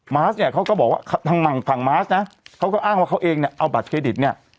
มาสเนี่ยเขาก็บอกว่าทางฝั่งมาสนะเขาก็อ้างว่าเขาเองเนี่ยเอาบัตรเครดิตเนี่ย